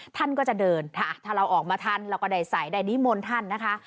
ท่านก็จะเดินค่ะถ้าเราออกมาทันเราก็ได้ใส่ได้นิมนต์ท่านนะคะ